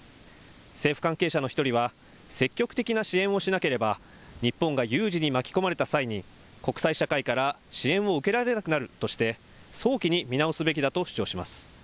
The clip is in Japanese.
政府関係者の１人は積極的な支援をしなければ日本が有事に巻き込まれた際に国際社会から支援を受けられなくなるとして早期に見直すべきだと主張します。